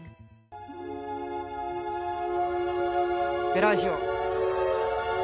ベラージオ。